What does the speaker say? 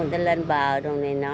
người ta lên bờ rồi này nó